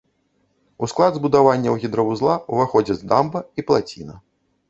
У склад збудаванняў гідравузла ўваходзяць дамба і плаціна.